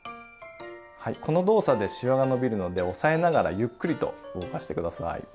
はいこの動作でしわが伸びるので押さえながらゆっくりと動かして下さい。